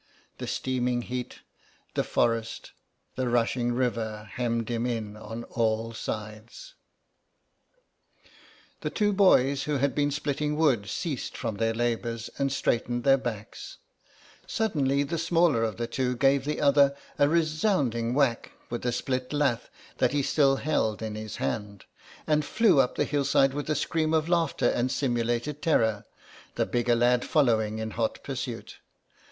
The steaming heat, the forest, the rushing river hemmed him in on all sides. The two boys who had been splitting wood ceased from their labours and straightened their backs; suddenly the smaller of the two gave the other a resounding whack with a split lath that he still held in his hand, and flew up the hillside with a scream of laughter and simulated terror, the bigger lad following in hot pursuit.